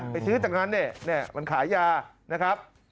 ไปซื้อจากนั้นเนี่ยมันขายยานะครับ